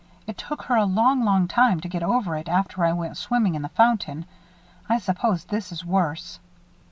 It took her a long, long time to get over it after I went swimming in the fountain. I suppose this is worse."